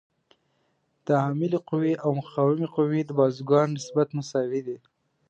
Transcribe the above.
د عاملې قوې او مقاومې قوې د بازوګانو نسبت مساوي دی.